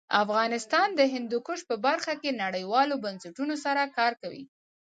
افغانستان د هندوکش په برخه کې نړیوالو بنسټونو سره کار کوي.